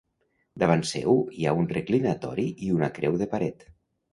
Davant seu hi ha un reclinatori i una creu de paret.